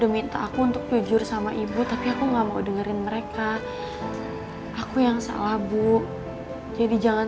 minta aku untuk jujur sama ibu tapi aku nggak mau dengerin mereka aku yang salah bu jadi jangan